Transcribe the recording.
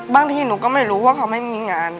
บางทีหนูก็ไม่รู้ว่าเขาไม่มีงาน